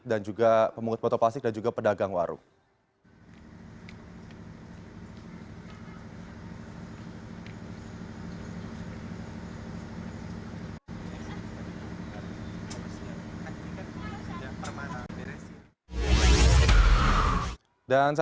dan juga pemungut botol plastik dan juga pedagang warung